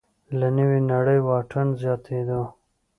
له نوې نړۍ واټن زیاتېدو